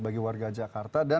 bagi warga jakarta dan